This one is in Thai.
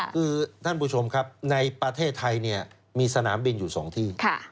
คือท่านผู้ชมครับในประเทศไทยมีสนามบินอยู่๒ที่